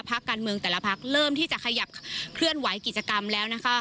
พักการเมืองแต่ละพักเริ่มที่จะขยับเคลื่อนไหวกิจกรรมแล้วนะคะ